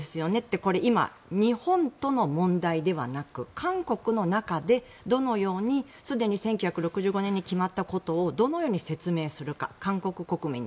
これ、今日本との問題ではなく韓国の中でどのようにすでに１９６５年に決まったことをどのように説明するか韓国国民に。